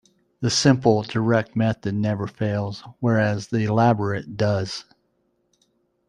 The simple, direct method never fails, whereas the elaborate does.